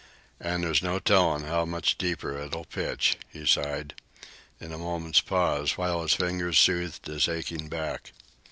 "An' there's no tellin' how much deeper it'll pitch," he sighed, in a moment's pause, while his fingers soothed his aching back.